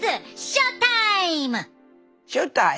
ショータイム。